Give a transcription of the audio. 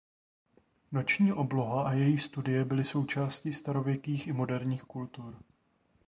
Noční obloha a její studie byly součástí starověkých i moderních kultur.